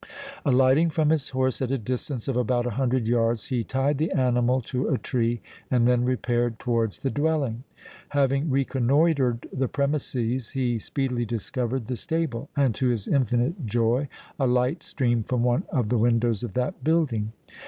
Alighting from his horse at a distance of about a hundred yards, he tied the animal to a tree, and then repaired towards the dwelling. Having reconnoitred the premises, he speedily discovered the stable; and, to his infinite joy, a light streamed from one of the windows of that building.